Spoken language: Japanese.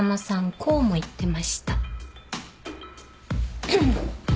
こうも言ってました。